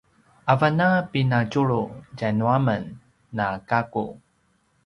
avan a pinadjulu tjanu a men na gaku